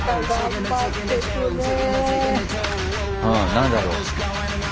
何だろう？